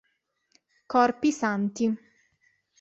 Corpi Santi